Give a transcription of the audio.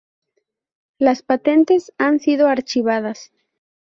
Las patentes han sido archivadas.